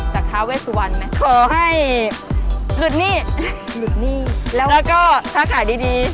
ท้าเวสวันไหมขอให้หลุดหนี้หลุดหนี้แล้วก็ถ้าขายดีดี